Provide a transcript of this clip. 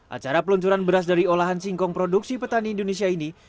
acara peluncuran beras dari olahan singkong produksi petani indonesia ini